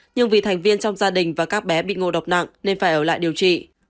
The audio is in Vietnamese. nhưng vì thành viên trong gia đình và các bé bị ngộ độc nặng nên phải ở lại điều trị